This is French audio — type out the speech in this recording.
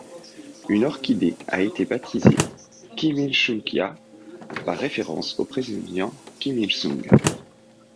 Une orchidée a été baptisée Kimilsungia par référence au président Kim Il-sung.